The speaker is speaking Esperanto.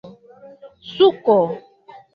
suko